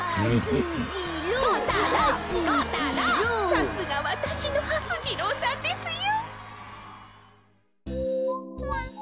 さすがわたしのはす次郎さんですよ。